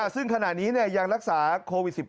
ซึ่งขนาดนี้เนี่ยยังรักษาโควิด๑๙